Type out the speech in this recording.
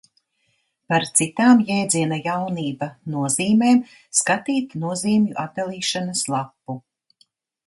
Par citām jēdziena Jaunība nozīmēm skatīt nozīmju atdalīšanas lapu.